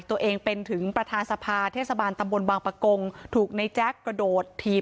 ตัวเองเป็นถึงประธานสภาเทศบาลตำบลบางปะกงถูกในแจ๊คกระโดดถีบ